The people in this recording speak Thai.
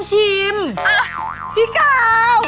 ใช่ค่ะ